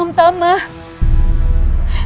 aku bisa saja membantumu